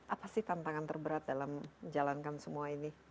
apa sih tantangan terberat dalam menjalankan semua ini